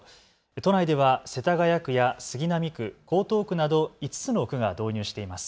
都内では世田谷区や杉並区、江東区など５つの区が導入しています。